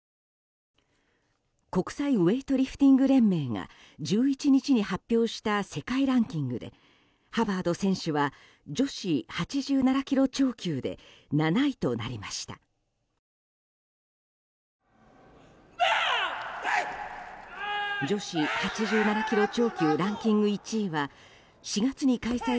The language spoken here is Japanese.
国際ウエイトリフティング連盟が１１日に発表した世界ランキングでハバード選手は女子８７ｋｇ超級で７位となりました。